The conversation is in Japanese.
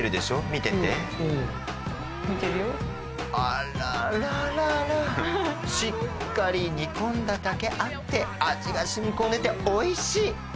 見ててあららららしっかり煮込んだだけあって味が染みこんでておいしい